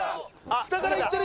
下からいってる。